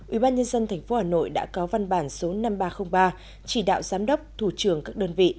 ubnd tp hà nội đã có văn bản số năm nghìn ba trăm linh ba chỉ đạo giám đốc thủ trưởng các đơn vị